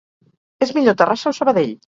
És millor Terrassa o Sabadell?